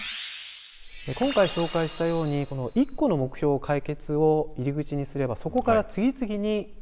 今回紹介したようにこの一個の目標解決を入り口にすればそこから次々になるほどね。